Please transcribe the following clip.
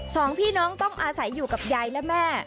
สองพี่น้องต้องอาศัยอยู่กับยายและแม่